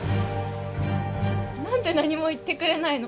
何で何も言ってくれないの？